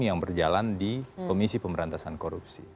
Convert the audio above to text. yang berjalan di komisi pemberantasan korupsi